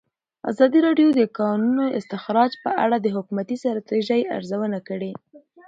ازادي راډیو د د کانونو استخراج په اړه د حکومتي ستراتیژۍ ارزونه کړې.